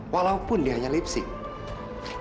walaupun dia hanya lip sync